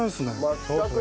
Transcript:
全く。